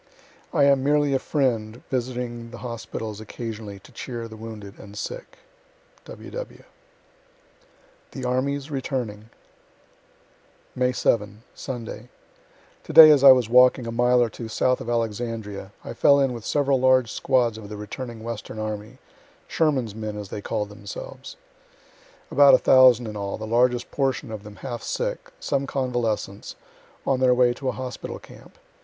I am merely a friend visiting the hospitals occasionally to cheer the wounded and sick. W. W. THE ARMIES RETURNING May 7. Sunday. To day as I was walking a mile or two south of Alexandria, I fell in with several large squads of the returning Western army, (Sherman's men as they call'd themselves) about a thousand in all, the largest portion of them half sick, some convalescents, on their way to a hospital camp.